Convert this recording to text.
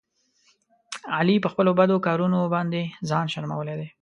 علي په خپلو بدو کارونو باندې ځان شرمولی دی.